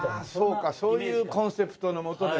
そうかそういうコンセプトのもとでね。